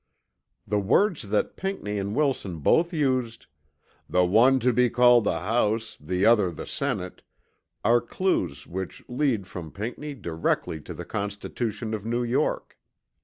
The words that Pinckney and Wilson both used, "the one to be called the House, the other the Senate" are clews which lead from Pinckney directly to the Constitution of New York.